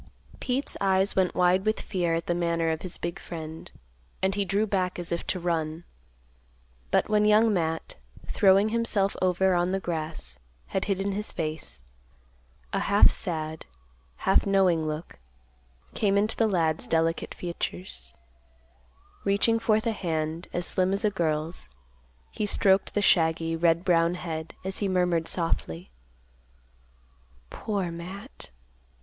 Pete's eyes went wide with fear at the manner of his big friend, and he drew back as if to run, but when Young Matt, throwing himself over on the grass, had hidden his face, a half sad, half knowing look came into the lad's delicate features; reaching forth a hand, as slim as a girl's, he stroked the shaggy, red brown head, as he murmured softly, "Poor Matt.